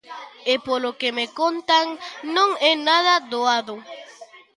E polo que me contan non é nada doado.